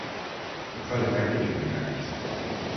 Em fa l'efecte que m'enganyes!